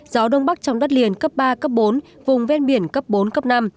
gió đông bắc trong đất liền cấp ba cấp bốn vùng ven biển cấp bốn cấp năm